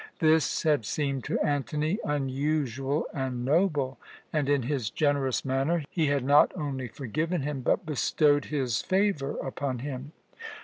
This had seemed to Antony unusual and noble and, in his generous manner, he had not only forgiven him, but bestowed his favour upon him.